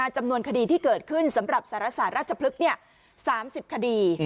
จำนวนคดีที่เกิดขึ้นสำหรับสรรษาธิราชพลึก๓๐คดี